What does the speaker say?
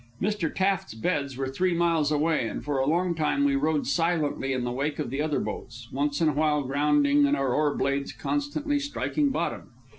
Mr. Taft's beds were three miles away, and for a long time we rowed silently in the wake of the other boats, once in a while grounding and our oar blades constantly striking bottom.